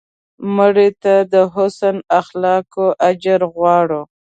مړه ته د حسن اخلاقو اجر غواړو